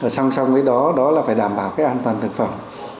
xong xong với đó đó là phải đảm bảo cái an toàn thực phẩm